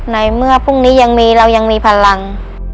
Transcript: ในเมื่อพรุ่งนี้ยังมีเรายังมีพลัง